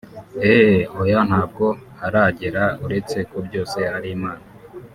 Ehhh oyaa ntabwo haragera uretse ko byose ari Imana